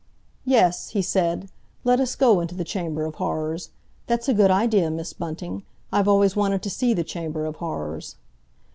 "Yes," he said, "let us go into the Chamber of Horrors; that's a good idea, Miss Bunting. I've always wanted to see the Chamber of Horrors."